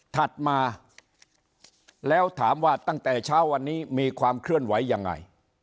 ถัดมาแล้วถามว่าตั้งแต่เช้าวันนี้มีความเคลื่อนไหวยังไง